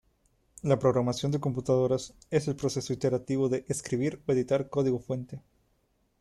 La programación de computadoras es el proceso iterativo de escribir o editar código fuente.